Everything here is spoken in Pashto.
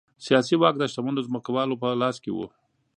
سیاسي واک د شتمنو ځمکوالو په لاس کې و.